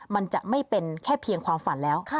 มันจะไม่เป็นแค่เพียงความฝันแล้ว